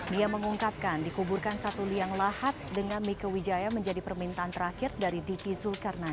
dia mengungkapkan dikuburkan satu liang lahat dengan mika wijaya menjadi permintaan terakhir dari diki zulkarnain